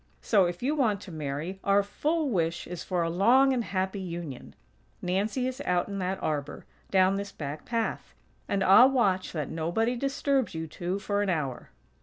So, if you want to marry, our full wish is for a long and happy union. Nancy is out in that arbor, down this back path; and I'll watch that nobody disturbs you two for an hour."